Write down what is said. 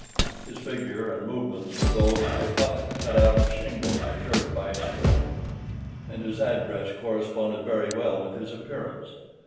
His figure and movements were those of a puppet cut out of shingle and jerked by a string; and his address corresponded very well with his appearance.